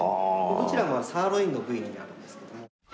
どちらもサーロインの部位になるんですけども。